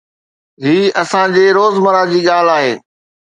هي اسان جي روزمره جي ڳالهه آهي